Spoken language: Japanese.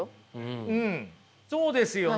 うんそうですよね。